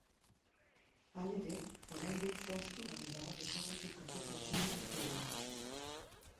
Halere, oraindik zehaztugabe dago desagertutako pertsona kopurua.